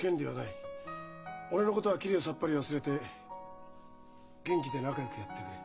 俺のことはきれいさっぱり忘れて元気で仲よくやってくれ。